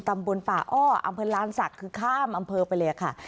ตำบลป่าอ้ออำเภอลานศักดิ์คือข้ามอำเภอไปเลยค่ะ